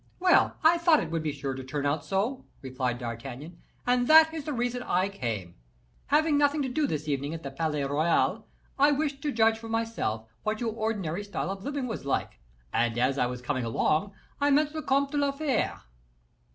"Well, I thought it would be sure to turn out so," replied D'Artagnan, "and that is the reason I came. Having nothing to do this evening at the Palais Royal, I wished to judge for myself what your ordinary style of living was like; and as I was coming along, I met the Comte de la Fere."